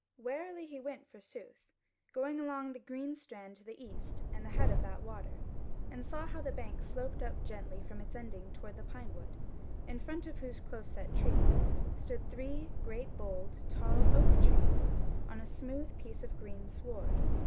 Warily he went forsooth, going along the green strand to the east and the head of that water, and saw how the bank sloped up gently from its ending toward the pine wood, in front of whose close set trees stood three great boled tall oak trees on a smooth piece of green sward.